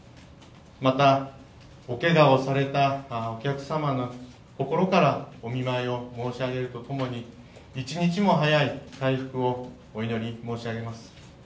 また、おけがをされたお客様に心からお見舞いを申し上げるとともに一日も早い回復をお祈り申し上げます。